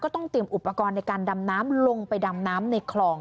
ต้องเตรียมอุปกรณ์ในการดำน้ำลงไปดำน้ำในคลอง